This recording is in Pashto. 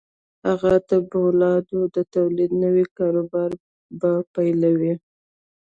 هغه د پولادو د تولید نوی کاروبار به پیلوي